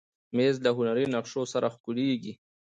مېز له هنري نقشو سره ښکليږي.